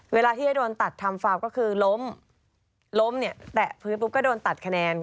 เวลาที่ให้โดนตัดทำฟาร์มก็คือล้มล้มเนี่ยแตะพื้นปุ๊บก็โดนตัดคะแนน